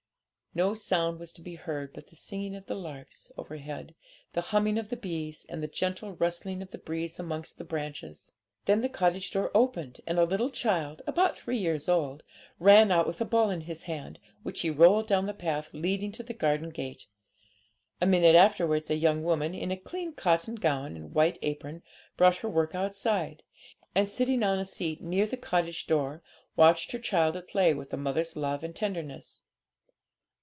No sound was to be heard but the singing of the larks overhead, the humming of the bees, and the gentle rustling of the breeze amongst the branches. Then the cottage door opened, and a little child, about three years old, ran out with a ball in his hand, which he rolled down the path leading to the garden gate. A minute afterwards a young woman, in a clean cotton gown and white apron, brought her work outside, and, sitting on the seat near the cottage door, watched her child at play with a mother's love and tenderness.